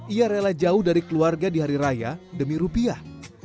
ia rela jauh dari keluarga di hari raya demi rupiah